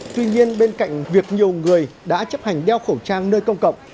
tuy nhiên bên cạnh việc nhiều người đã chấp hành đeo khẩu trang nơi công cộng